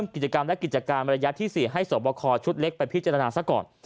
กิจการระยะที่๔ให้สวบวัคคลชุดเล็กไปพิจารณาซะก่อน